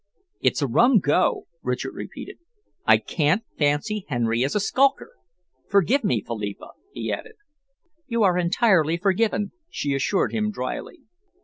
"It's a rum go," Richard repeated. "I can't fancy Henry as a skulker. Forgive me, Philippa," he added. "You are entirely forgiven," she assured him drily.